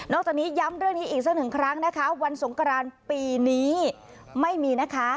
จากนี้ย้ำเรื่องนี้อีกสักหนึ่งครั้งนะคะวันสงกรานปีนี้ไม่มีนะคะ